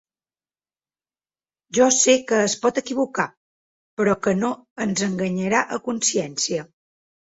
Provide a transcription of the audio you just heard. Jo sé que es pot equivocar, però que no ens enganyarà a consciència.